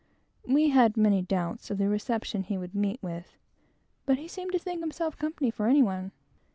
We had many doubts of the reception he would meet with; but he seemed to think himself company for any one.